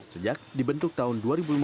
sejak dibentuk tahun dua ribu lima belas